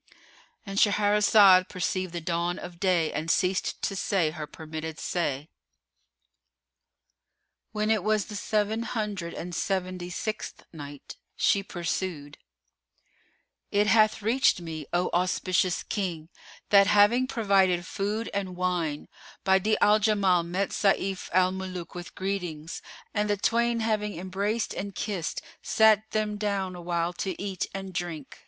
——And Shahrazad perceived the dawn of day and ceased to say her permitted say. When it was the Seven Hundred and Seventy sixth Night, She pursued, It hath reached me, O auspicious King, that having provided food and wine, Badi'a al Jamal met Sayf al Muluk with greetings, and the twain having embraced and kissed sat them down awhile to eat and drink.